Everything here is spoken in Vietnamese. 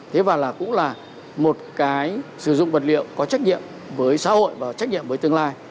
thế và cũng là một cái sử dụng vật liệu có trách nhiệm với xã hội và trách nhiệm với tương lai